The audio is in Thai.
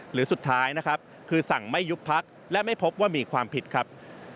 หรือสุดท้ายนะครับคือสั่งไม่ยุบพักและไม่พบว่ามีความผิดครับ